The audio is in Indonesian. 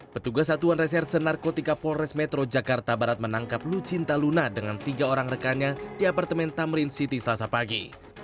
petugas satuan reserse narkotika polres metro jakarta barat menangkap lucinta luna dengan tiga orang rekannya di apartemen tamrin city selasa pagi